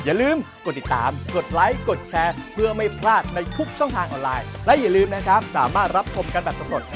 อย่าลืมนะครับสามารถรับคมกันแบบสมมติ